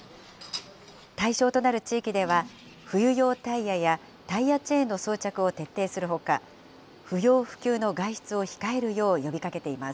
対象となる地域では、冬用タイヤやタイヤチェーンの装着を徹底するほか、不要不急の外出を控えるよう呼びかけています。